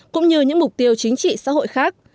cũng như những mục tiêu chính trị xã hội khác